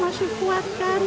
terus itu masih kuat kan